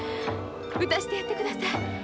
打たしてやってください。